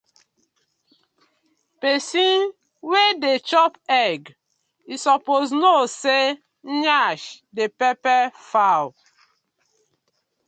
Pesin wey dey chop egg e suppose kno say yansh dey pepper fowl.